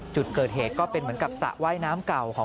จุดเกิดเหตุก็เป็นเหมือนกับสระว่ายน้ำเก่าของ